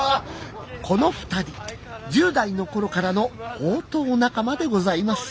この２人１０代のころからの放蕩仲間でございます。